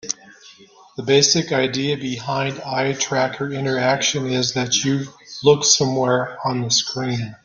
The basic idea behind eye tracker interaction is that you look somewhere on the screen.